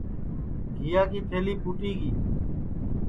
گھیا کی تھلی پُھوٹی گی